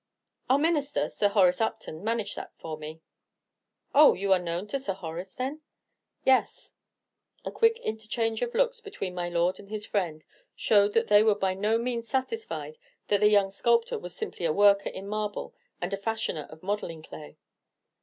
"Our Minister, Sir Horace Upton, managed that for me." "Oh, you are known to Sir Horace, then?" "Yes." A quick interchange of looks between my lord and his friend showed that they were by no means satisfied that the young sculptor was simply a worker in marble and a fashioner in modelling clay.